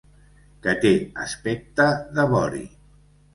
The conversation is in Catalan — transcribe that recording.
Que té aspecte de vori.